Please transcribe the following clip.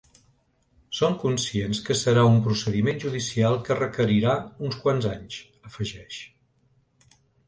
Som conscients que serà un procediment judicial que requerirà uns quants anys, afegeix.